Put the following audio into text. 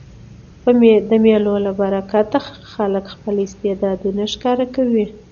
د مېلو له برکته خلک خپل استعدادونه ښکاره کوي.